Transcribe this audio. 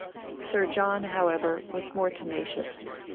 Sir John, however, was more tenacious.